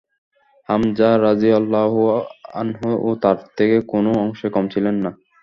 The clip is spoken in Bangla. হামযা রাযিয়াল্লাহু আনহুও তার থেকে কোন অংশে কম ছিলেন না।